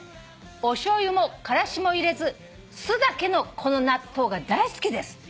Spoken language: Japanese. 「おしょうゆもからしも入れず酢だけのこの納豆が大好きです」